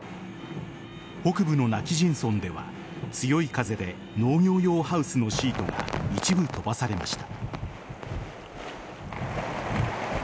北部の今帰仁村では強い風で農業用ハウスのシートが一部飛ばされました。